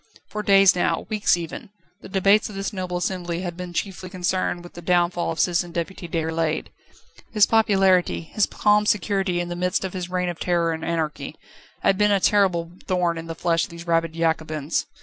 For days now, weeks even, the debates of this noble assembly had been chiefly concerned with the downfall of Citizen Deputy Déroulède. His popularity, his calm security in the midst of this reign of terror and anarchy, had been a terrible thorn in the flesh of these rabid Jacobins.